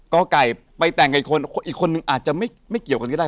กไก่ไปแต่งกับอีกคนอีกคนนึงอาจจะไม่เกี่ยวกันก็ได้